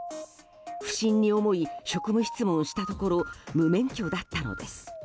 不審に思い、職務質問したところ無免許だったのです。